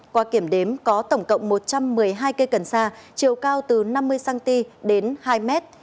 qua kiểm đếm có tổng cộng một trăm một mươi hai cây cần sa chiều cao từ năm mươi cm đến hai mét